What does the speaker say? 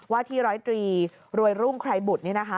ว่าที่ร้อยตรีรวยรุ่งใครบุตรนี่นะคะ